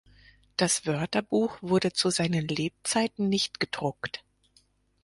Das Wörterbuch wurde zu seinen Lebzeiten nicht gedruckt.